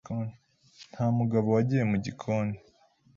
Nta mugabo wagiye mu gikoni,